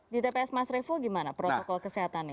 di tps mas revo gimana protokol kesehatannya